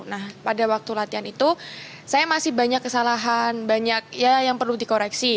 nah pada waktu latihan itu saya masih banyak kesalahan banyak ya yang perlu dikoreksi